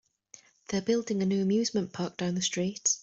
They're building a new amusement park down the street.